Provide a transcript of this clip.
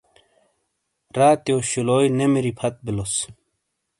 راتیو شُولوئی نے مِری فَت بِیلوس۔